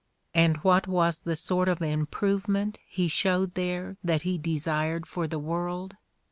And what was the sort gf improvement he showed there that he desired for the world?